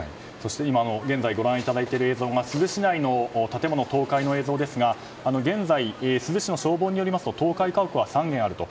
今、現在ご覧いただいている映像が珠洲市内の建物倒壊の映像ですが現在、珠洲市の消防によりますと倒壊家屋は３棟あると。